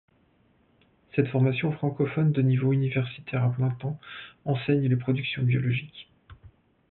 Cette formation francophone de niveau universitaire à plein temps enseigne les productions biologiques.